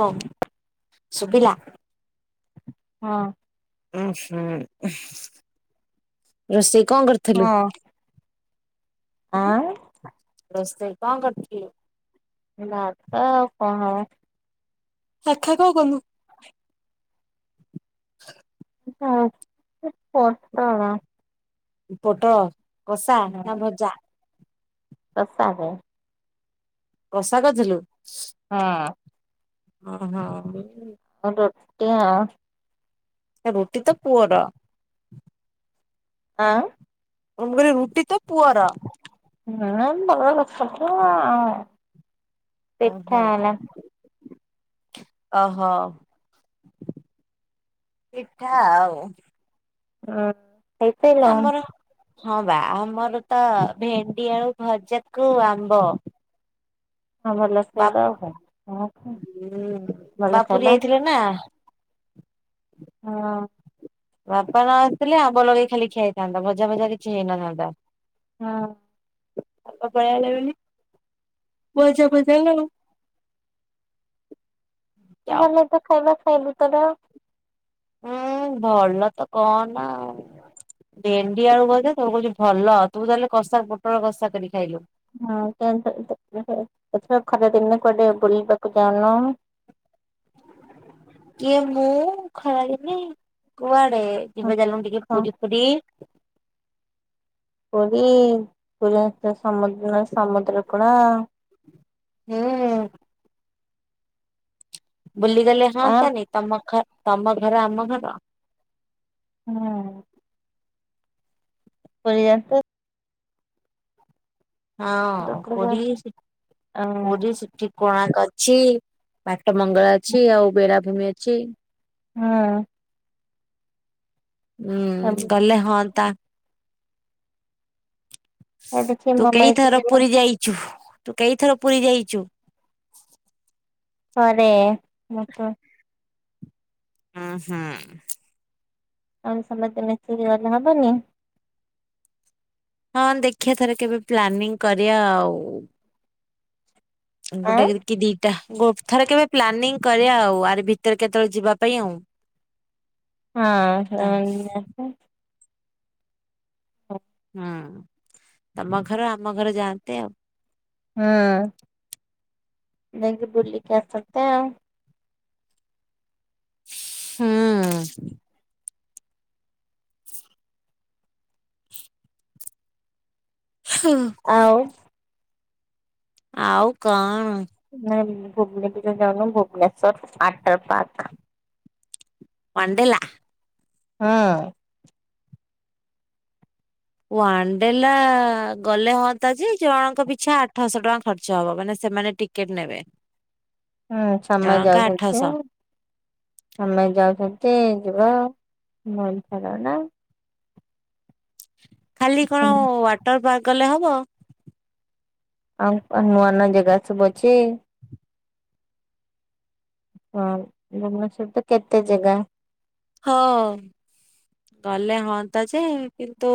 [unintelligible] ଶୁଭିଲା। ହଁ। ଉଁ ହୁଁ ରୋଷେଇ କଣ କରି ହଁ। [unintelligible] ଆଉ ରୋଷେଇ କଣ କରିଥିଲୁ? ଭାତ ଆଉ କଣ [unintelligible] କଣ କଲୁ? ଆଉ ପୋଟଳ। ପୋଟଳ କଷା ନା ଭଜା? କଷା ଭେ। କଷା କରିଥିଲୁ? ହଁ। ଉ ହୁଁ। ରୁଟି ଆଉ ରୁଟି ତ ପୁଅର ଆଁ ମୁଁ ଗଲି ରୁଟି ତ ପୁଅର? ନାଁ ମୋର ସବୁ ଆଉ। ଅ ପିଠା ହଁ। ହେଲା ଅହୋ ପିଠା ଆଉ [unintelligible] ଖାଇସାଇଲଣି ଆମର ହଁ ବା ଆମର ତ ଭେଣ୍ଡି ଆଳୁ ଭଜାକୁ ଆମ୍ବ ହଁ ଭଲ ଖାଇବା ଆଉ କଣ ହଁ ବାପ ଭଲ ବାପୁରି ଖାଇବା ଯାଇଥିଲେ ନାଁ। ହଁ। ବାପା ନ ଆସିଲଥିଲେ ଆବ ଲଗେଇ ଖାଲି ଖିଆଇଥାନ୍ତା ଭଜା ଭଜା କିଛି ହେଇନଥାନ୍ତ। ହଁ ଆ ପଳଲା ବ ବଜାପଜ ନ [inaudible] ଯାଉ ଭଲ ତ ଖାଇବା ଖାଇବୁ ତର ହୁଁ ଭଲ ତ କହନା। ଭେଣ୍ଡି ଆଳୁ କଛି ତମ କହୁଛି ଭଲ ତୁ ତାହେଲେ କଷା ପୋଟଳ କଷା କରି ଖାଇଲୁ। ହୁଁ ଖରା ଦିନେ କୁଆଡେ ବୁଲିବାକୁ ଯାଉନ? କିଏ ମୁଁ ଖଳାଳିିନି କୁଆଡେ ଯିବା ଜାଲ ଟିକେ ହଁ ପୁରୀ ପୁ ପୁରୀ ପୁର ସମୁଦ୍ର ନ ସମୁଦ୍ର କୂଲ। ହଁ ବୁଲିଗଲେ ହଁ ହଅନ୍ତାନି ତମ ତମ ଘର ଆମ ଘର। ହୁଁ ପର ତ ହଁ ପୋ ପୋ ସେଠି କଣ ଅଛି? ପାଟ ମଙ୍ଗଳା ଅଛି ଆଉ ବେରାଭୂମି ଅଛି। ହଁ ହୁଁ ଗଲେ ହଁ ତା ଦେଖି ତୁ ମୋ କେଇ ମାରିକି ଥର ଯିବ ପୁରୀ ଯାଇଛୁ ତୁ କେଇଥର ପୁରୀ ଯାଇଛୁ? ଥରେ ମ। ହଁ ହଁ ଆଉ ସମସ୍ତେ ମିଶିକି ଗଲେ ହବନି। ହଁ ଦେଖିବା ଥରେ କେବେ ପ୍ଲାନିଂ କରିବା ଆଉ। ଆଁ ଗୋଟେ କି ଦିଟା ଗୋ ଥରେ କେବେ ପ୍ଲାନିଂ କରିବା ଆଉ ଆରେ ଭିତରେ କେତେବେଳେ ଯିବା ପାଇଁ ଆଉ। ତା ହଁ ହ ହୁଁ ତମ ଘର ଆମ ଘର ଯାଆନ୍ତେ ଆଉ। ହୁଁ ଦେକି ବୁଲି କ ସତ ଆଉ। ହୁଁ ହଁ ଆଉ ଆଉ କଣ ନା ଭୁବନେଶ୍ୱର ଯାଉନ ଭୁବନେଶ୍ଵର ଆଠଟର ପା ପଣ୍ଡଲା। ହଁ ୱାନ୍ ଡଲା ଗଲେ ହଅନ୍ତା ଯେ ଜଣଙ୍କ ପିଛା ଆଠଶହ ଟଙ୍କା ଖର୍ଚ୍ଚ ହବ ମାନେ ସେମାନେ ଟିକେ କେତେ ନେବେ? ହୁଁ ସମୟ ଜଣକା ଯାଉସତି। ଆଠଶହ। ଆମେ ଯାଉଛନ୍ତି ଯିବା ମ ଫର ନା ଖାଲି କଣ ୱାଟର ପାର୍କ ଗଲେ ହବ। ଆଉ ନୂଆ ନୂଆ ଜାଗା ସବୁ ଅଛି। ହଁ ଭୁବନେଶ୍ୱର ତ କେତେ ଜାଗା ହଁ। ଗଲେ ହଅନ୍ତା ଯେ କିନ୍ତୁ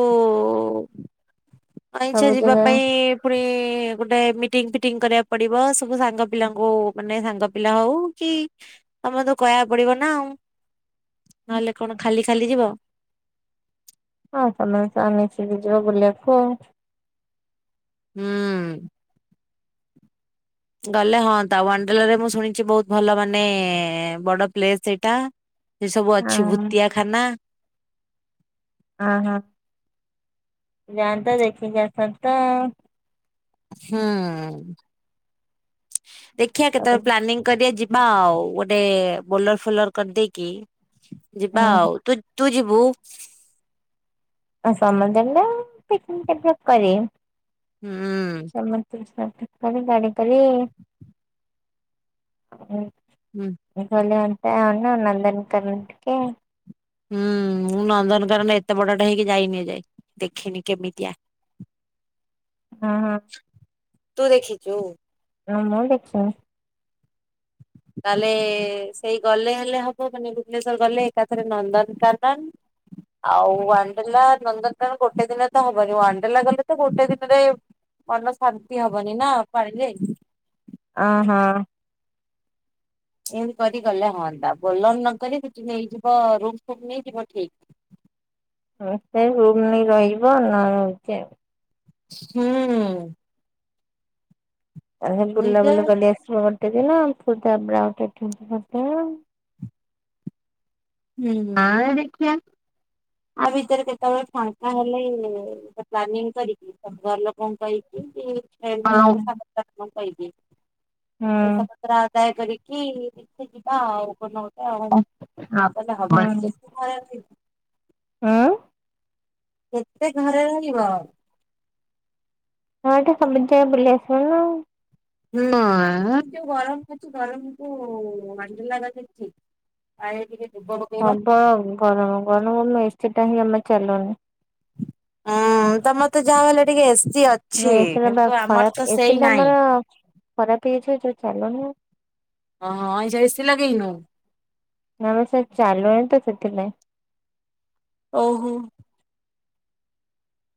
କଇଁଛା ସବୁ ଯିବା ଜାଗା ପାଇଁ ପୁଣି ଗୋଟେ ମିଟିଙ୍ଗ୍ ଫିଟିଙ୍ଗ୍ କରିବାକୁ ପଡିବ ସବୁ ସାଙ୍ଗ ପିଲାଙ୍କୁ ମାନେ ସାଙ୍ଗ ପିଲା ହଉ କି ତମେ ତ କହିବାକୁ ପଡିବ ନା ଆଉ ନହେଲେ କଣ ଖାଲି ଖାଲି ଯିବ। ହଁ ତମେ ଆସ ଆମେ ମିଶିକି ଯିବା ବୁଲିବାକୁ। ହୁଁ। ଗଲେ ହନ୍ତା ୱାଣ୍ଡେଲା ରେ ମୁଁ ଶୁଣିଚି ବହୁତ ଭଲ ମାନେ ବଡ ପ୍ଲେସ ସେଟା। ସେ ସବୁ ଅଛି ଆଉ। ଭୁତିଆଖାନା। ହଁ ହଁ। ଯାଆନ୍ତା ଦେଖିକି ଆସନ୍ତା। ହୁଁ। ଦେଖିଆ ହୁଁ କେତେବେଳେ ପ୍ଲାନିଂ କରିବା ଯିବା ଆଉ ଗୋଟେ ବୋଲର ଫୋଲର କରିଦେଇକି। ଯିବା ଆଉ ତୁ ତୁ ଯିବୁ? ଆଉ ସମସ୍ତେ ଯିବା ପିକନିକ୍ ଫିକିନିକ୍ କରି। ହୁଁ। [unintelligible] ହୁଁ। [unintelligible] ନନ୍ଦନକାନନ ଟିକେ। ହୁଁ ମୁଁ ନନ୍ଦନକାନନ ଏତେ ବଟ ଟା ହେଇକି ଯାଇନି ଏଯାଏ ଦେଖିନି କେମିତିଆ। ହଁ ହଁ। ତୁ ଦେଖିଚୁ? ନାଁ ମୁଁ ଦେଖିନି। ତାହେଲେ ସେଇ ଗଲେ ହେଲେ ହବ ମାନେ ଭୁବନେଶ୍ଵର ଗଲେ ଏକାଥରେ ନନ୍ଦନକାନନ ଆଉ ୱାଣ୍ଡଲା। ନନ୍ଦନକାନନ ତ ଗୋଟେ ଦିନରେ ତ ହବନି ୱାଣ୍ଡେଲା ଗଲେ ତ ଗୋଟେ ଦିନରେ ମନ ଶାନ୍ତି ହବନି ନା ପାଣିରେ। ଅ ହଁ। ଏମିତି କରି ଗଲେ ହଅନ୍ତା ବୋଲର ନକରି ସେଠି ନେଇଯିବ ରୁମ୍ ଫୁମ୍ ନେଇଯିବ ଠିକ। ହଁ ସେ ରୁମ୍ ନେଇ ରହିଜିବ ନହେଲେ ହଉଚି ଆଉ। ହୁଁ। ତାର ସେ ବୁଲା ନିଜେ ବୁଲି କରି ଆସିବ ଗୋଟେ ଦିନ ଫୁଣି ତାପରେ [unintelligible] ହୁଁ ନାଇ ଦେଖିଆ। ଆ ଭିତରେ କେତେବେଳେ ଫାଙ୍କା ହେଲେ ପ୍ଲାନିଂ କରିକି ଘର ଲୋକଣ କହିକି ହୁଁ। ହୁଁ [unintelligible] ରା ଆଦାୟ କରିକି ଯିବା ଆଉ କୋଉ ଦିନ ଗୋଟେ ଆଉହେଲେ ହବ। ଘରେ ହାଁ? କେତେ ଘରେ ରହିବ। ହଁ ଏଟା ସବୁ ଯାଗ ବୁଲି ଆସିବ ନା ଆଉ। ନାଇଁ ଯୋଉ ଗରମ ହୋଉଚି ଗରମକୁ ୱାଣ୍ଡଲାଟା ଠିକ୍। ଆ ଟିକେ [unintelligible] ହବ ଗରମ ଗରମରୁ ଆମ ଏସି ଟା ହିଁ ଜମ୍ହା ଚାଲୁନି। ହୁଁ ତ ମତେ ଯାହାହଲେ ଟିକେ ଏସି ଅ ନା ଏସି ଟା ବା ଖରାପ ଏସି ଟା ଆମର ଖରାପ ହେଇଯାଇଛି। ଯୋଉ ଚାଲୁନି। ହଁ ହଁ ଅଇଁ ଚା ଏସି ଲଗେଇନୁ? ନାମ ସେ ଚାଲୁନି ତ ସେଥିିପାଁଇ। ଓହୋ।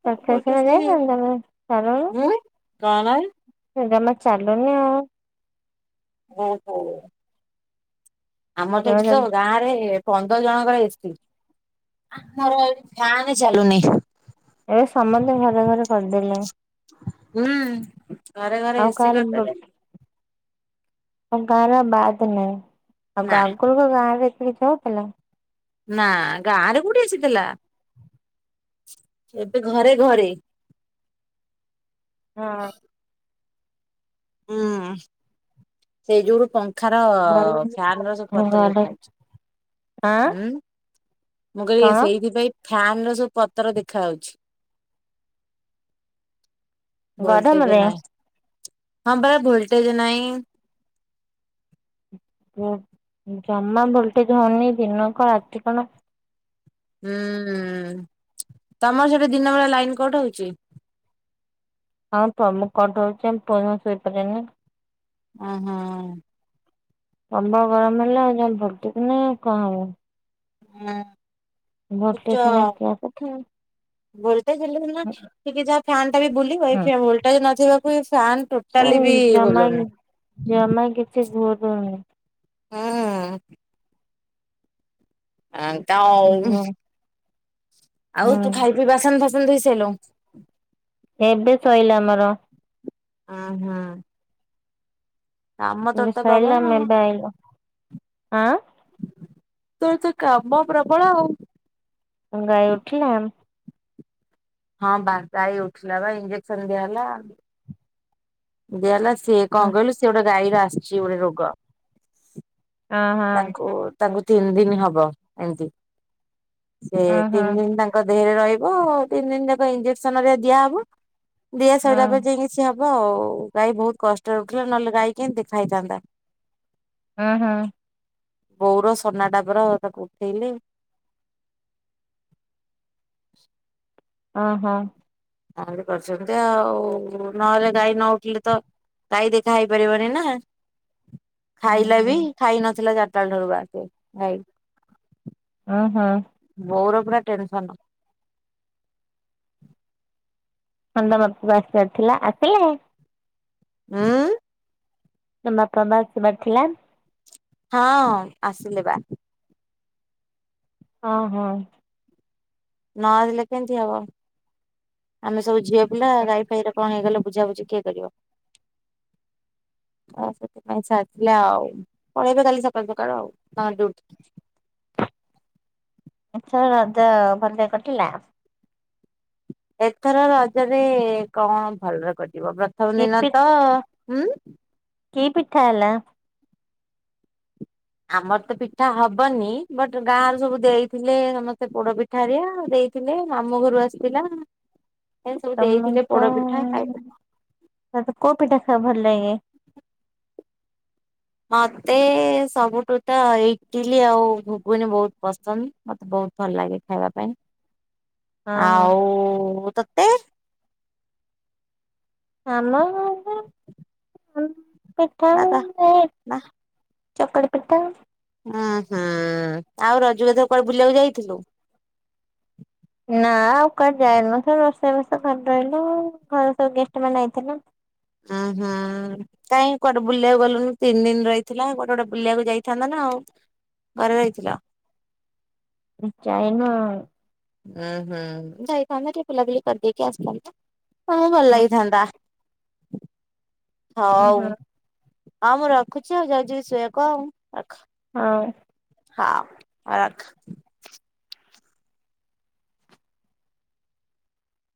[unintelligible] ଆମର ତ ସେଜାମା ସେଇ ଉଁ କଣ? ଚାଲୁନି ଆଉ। [unintelligible] ଆମର ତ ଏଠି ତ ଗାଁ ରେ ପନ୍ଦର ଜଣଙ୍କର ଏସି। ଏବେ ସମସ୍ତେ ଘରେ ଘରେ କରିଦେଲେଣି। ହୁଁ। ଘରେ ଘରେ ଆଉ ଏସି କାର କରିଦେଲେ। ଆଉ କାର ବାଦ ନାଇ। ଆଉ ନା ଗଗିକ ଗାଁ ରେ ଏତିକି ଅ ପଥିଲା। ନା ଗାଁ ରେ କୋଉଠି ଆସିଥିଲା ଏବେ ଘରେ ଘରେ ହଁ। ହୁଁ ସେଇ ଯୋ [unintelligible] ଏଖାର ଘରେ ଫାନ ର ସବୁ ପତ୍ର ଘରେ ଦେଖାାଯାଉଛି। ଆଁ ମୁ କଣ କହିଲି ସେଇଥିପାଇଁ। ଫ୍ୟାନ ର ସବୁ ପତ୍ର ଦେଖାାଯାଉଛି। ଭୋଲଟେଜ ଗରମରେ ନାହିଁ। ଜମା ଭୋଲଟେଜ ହଉନି ଦିନ କଣ ରାତି କଣ। ହୁଁ ତମର ସେଠି ଦିନ ବେଳେ ଲାଇନ କୋଟୁଛି? ହଁ ତମକୁ କଣ ହଉଛି ଆମ [unintelligible] ଶୋଇପାରିବନି। ଓ ହୋଁ। ତମ୍ବ ଗରମ ହେଲେ ଆଉ ଯ ଭଟ କି ନା କଣ ହବ। ହୁଁ। ସୂଚ ଭୋଲ୍ଟେଜ ନାହିଁ [unintelligible] କଥା ଭୋଲଟେଜ ହେଲେ ସିନା ଟିକେ ଯାହା ଫ୍ୟାନ ଟା ବି ବୁଲିବ ଏ ଭୋଲଟେଜ ନଥିବାକୁ ଫ୍ୟାନ ସେ ଟୋଟାଲି ବି ଜମା ବୁଲୁନି। ଜମା କିଛି ଘୋ ଦଉନି। ହଁ। ଆ ହୁଁ ତାଉ। ଆଉ ତୁ ହୁଁ ଖାଇ ପିଇ ବାସନ ଫାସନ ଧଇ ସାରିଲୁଣି? ଏବେ ଶୋରିଲା ଆମର। ହଁ ହଁ। ତ ପ୍ରବଳ ଆଉ। [unintelligible] ତୋର ତ କାମ ପ୍ରବଳ ଆଉ। ଗାଈ ଉଠିଲାଣି? ହଁ ବା ଗାଇ ଉଠିଲା ବା ଇଞ୍ଜେକ୍ସନ ଦିଆହେଲା। ଦିଆ ହେଲା ସିଏ କଣ କହିଲୁ ସେ ଗୋଟେ ଗାଈର ଆସିଛି ଗୋଟେ ରୋଗ। ହଁ ହଁ ହଁ। ତାଙ୍କୁ ତାଙ୍କୁ ତିନି ଦିନ ହବ, ଏମିତି ସେ ହଁ ହଁ ତିନି ଦିନ ତାଙ୍କୁ ତା ଦେହରେ ରହିବ ତିନି ଦିନ ଯାକ ଇଞ୍ଜେକ୍ସନ ରେ ଦିଆ ହବ। ଦିଆ ସରିଲା ପରେ ଯାଇକି ସେ ହବ ଆଉ ଗାଈ ବହୁତ କଷ୍ଟ ର ଉଥିଲା ନହେଲେ ଗାଈ କେମିତି ଖାଇଥାନ୍ତା। ହଁ ହଁ। ବଉର ସୋନା ଟା ପରା ତାକୁ ଉଠେଇଲେ। ଅଁ ହଁ। ତା ମାନେ ତ କରିଛନ୍ତି ଆଉ ନହେଲେ ଗାଈ ନ ଉଠିଲେ ତ ତାଇଁ ଦେଖା ହେଇପାରିବନି ନା? ଖାଇଲା ବି ଖାଇ ନଥିଲା ଚାଟାଳୁ ଠାରୁ ବା ସେ ଭାଇ। ଉଁ ହଁ। ବୋଉର ପୁରା ଟେନ୍ସନ। ହନ୍ଦ ମା ପୁଅ ଆସିବାର ଥିଲା ଆସିଲେଣି? ଉଁ? ନମ୍ ବାଫା ବା ଆସିବାର୍ ଥିଲା? ହଁ ଆସିଲେ ବା। ହଁ ହଁ। ନ ଆସିଲେ କେମ୍ତି ହବ। ଆମେ ସବୁ ଝିଅ ପିଲା ଗାଈ ଫାଇ ର କଣ ହେଇଗଲେ ବୁଝାବୁଝି କିଏ କରିବ। ହଁ ସେଥିପାଇଁ ଛାଡ଼ିଥିଲା ଆଉ ପଳେଇବେ କାଲି ସକାଳୁ ସକାଳୁ ଆଉ ତାଙ୍କ ଡିଉଠ୍। ଏଁଥର ରଜ ଭଲରେ କଟିଲା? ଏଥର ରଜରେ କଣ ଭଲରେ କଟିବ ପ୍ରଥମ କି ଦିନ ପି ତ ହୁଁ। କି ପିଠା ହେଲା? ଆମର ତ ପିଠା ହବନି ବଟ୍ ଗାଁରୁ ସବୁ ଦେଇଥିଲେ ସମସ୍ତେ ପୋଡ଼ ପିଠ୍ ଠାରିଆ ଦେଇଥିଲେ ମାମୁ ଘରୁ ଆସିଥିଲା। ଏଁସ୍ ସବୁ ଦେଇଥିଲେ ତମକୁ ପୋଡ଼ପିଠା ଖାଇ ପି ତତେ କୋଉ ପିଟା ଖାଇ ଭଲ୍ ଲାଗେ? ମତେ ସବୁଟୁ ତ ଇଟିଲି ଆଉ ଘୁଗୁନି ବହୁତ୍ ପସନ୍ଦ ମତେ ବହୁତ୍ ଭଲା ଲାଗେ ଖାଇବା ପାଇଁ ହଁ ଆଉ ତତ୍ ଆମ ପିଠା ନା ତ [unintelligible] ନା ଚକଡ଼ି ପିଠା। ଉଁ ହୁଁ ଆଉ ରଜୁକୁ ଏଥର କୁଆଡ଼େ ବୁଲିୟାକୁ ଯାଇଥିଲୁ? ନାଁ ଆଉ କୁଆଡ଼େ ଯାଇନଥିଲୁ ରୋଷେଇ ବାଷ ଘରେ ରହିଲୁ ଆ ଘର ସବୁ ଗେଷ୍ଟ ମାନେ ଆଇଥିଲେ। ଉଁ ହୁ। କାଇଁ କୁଆଡ଼ୁ ବୁଲିଆକୁ ଗଲୁନୁ। ତିନ୍ ଦିନ୍ ରହିଥିଲା କୋଟେ ଗୋଟେ ବୁଲିବାକୁ ଯାଇଥାନ୍ତା ନା ଆଉ। ଘରେ ରଇଥିଲ? ଉଁ ଚାଇନ ଆଉ। ଉଁ ହୁଁ ଯାଇଥାନ୍ତେ ଟିଏ ପିଲା ପିଲି କରିଦେଇକି ଆସିଥାନ୍ତା। ତ ଭଲ ଲାଗିଥାନ୍ତା। [inaudible] ହଁ ହଁଉ ହଁ ହଁ ମୁଁ ରଖୁଛି? ଆଉ ଯାଉଛି ଜିବି ଶୋଇବାକୁ ଆଉ ରଖ। ହଁ। ହାଉ ରଖ୍।